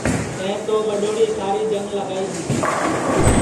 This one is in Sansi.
تیں تو ٻڈؔوڑی ساری جنگ لگائی دؔی